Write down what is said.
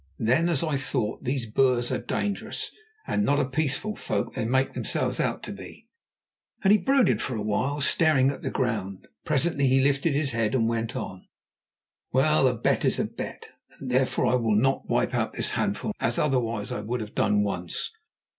"Then, as I thought, these Boers are dangerous, and not the peaceful folk they make themselves out to be," and he brooded for a while, staring at the ground. Presently he lifted his head and went on: "Well, a bet is a bet, and therefore I will not wipe out this handful, as otherwise I would have done at once.